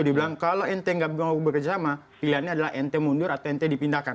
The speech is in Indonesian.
dibilang kalau nt tidak mau bekerja sama pilihannya adalah nt mundur atau nt dipindahkan